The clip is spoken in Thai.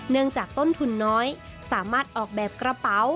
เนื่องจากต้นทุนน้อยสามารถออกแบบกระเป๋า